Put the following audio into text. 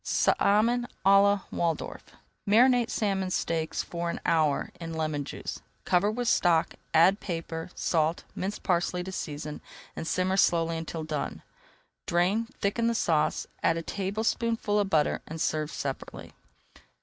SALMON À LA WALDORF Marinate salmon steaks for an hour in [Page 284] lemon juice. Cover with stock, add pepper, salt and minced parsley to season, and simmer slowly until done. Drain, thicken the sauce, add a tablespoonful of butter, and serve separately.